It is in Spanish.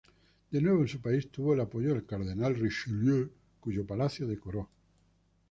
De nuevo en su país, tuvo el apoyo del cardenal Richelieu, cuyo palacio decoró.